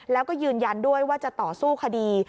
แล้วก็ยืนยันด้วยว่าจะต่อสู้คดี